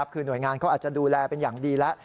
คือหน่วยงานเขาอาจจะดูแลเป็นอย่างดีแล้ว